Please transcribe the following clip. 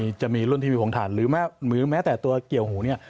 ครับจะมีรุ่นที่มีผงฐานหรือแม้แต่ตัวเกี่ยวหูนี่